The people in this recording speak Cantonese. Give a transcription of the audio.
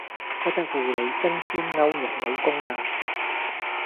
個隻狐狸精專勾人老公架